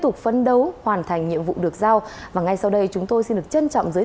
tục phấn đấu hoàn thành nhiệm vụ được giao và ngay sau đây chúng tôi xin được trân trọng giới